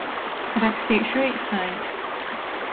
Raksteišu eisai.